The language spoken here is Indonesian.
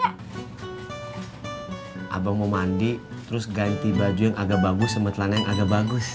iya aku punya baju bagus aku mau mandi terus ganti baju yang bagus sama celana yang bagus